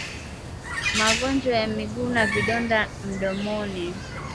Magonjwa ya miguu na vidonda mdomoni